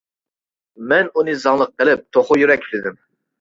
مەن ئۇنى زاڭلىق قىلىپ توخۇ يۈرەك دېدىم.